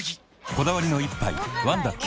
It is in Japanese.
こだわりの一杯「ワンダ極」